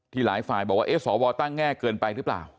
ที่หลายฝ่ายบอกว่าเอ๊ะสอบวอลตั้งแง่เกินไปรึเปล่า